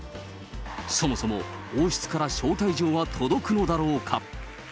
そもそも王室から招待状は届くのだろうか。